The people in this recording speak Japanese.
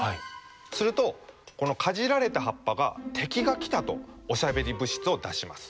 するとこのかじられた葉っぱが「敵が来た！」とおしゃべり物質を出します。